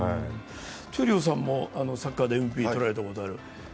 闘莉王さんもサッカーでＭＶＰを取られたことがある。